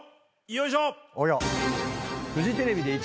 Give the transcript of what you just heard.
よいしょ！